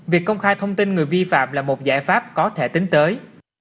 việc công khai thông tin người vi phạm là một giải pháp có thể tính tới